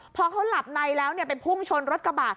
พอเขาหลับในแล้วไปพุ่งชนรถกระบะ